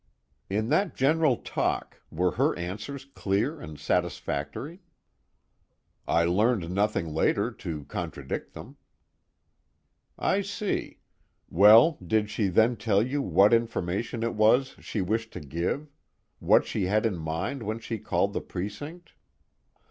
"In that general talk, were her answers clear and satisfactory?" "I learned nothing later to contradict them." "I see. Well, did she then tell you what information it was she wished to give what she had in mind when she called the precinct?"